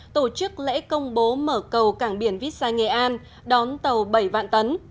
tổ chức lễ công bố mở cầu cảng biển vít sai nghệ an đón tàu bảy vạn tấn